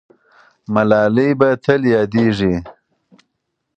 ملالۍ به تل یادېږي.